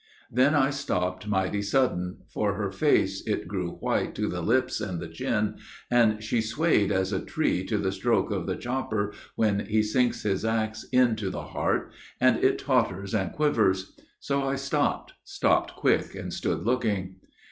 Then I stopped mighty sudden, For her face it grew white to the lips and the chin, And she swayed as a tree to the stroke of the chopper When he sinks his axe in to the heart and it totters And quivers. So I stopped, stopped quick and stood looking.